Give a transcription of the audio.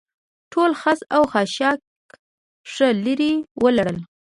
ټول خس او خاشاک ښه لرې ولاړل.